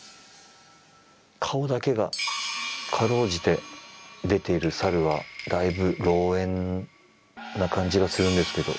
顔だけがかろうじて出ている猿はだいぶ老猿な感じがするんですけど。